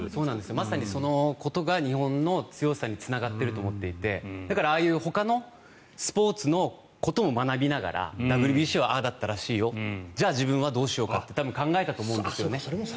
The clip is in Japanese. まさにそのことが日本の強さにつながっていると思っていてだからああいうほかのスポーツのことも学びながらＷＢＣはああだったらしいよじゃあ自分はどうしようかって多分考えたと思うんですよね。